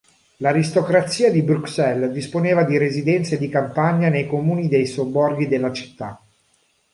L’aristocrazia di Bruxelles disponeva di residenze di campagna nei comuni dei sobborghi della città.